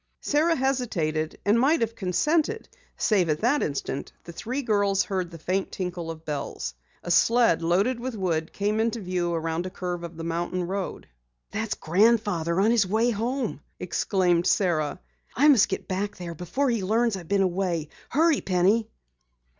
Sara hesitated, and might have consented, save at that instant the three girls heard the faint tinkle of bells. A sled loaded with wood came into view around a curve of the mountain road. "That's grandfather on his way home!" exclaimed Sara. "I must get back there before he learns I've been away! Hurry, Penny!"